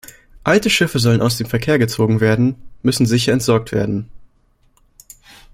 Alte Schiffe sollen aus dem Verkehr gezogen werden, müssen sicher entsorgt werden.